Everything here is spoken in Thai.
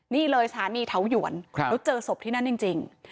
นี่เลยสถานีเถาหยวนแล้วเจอศพที่นั่นจริง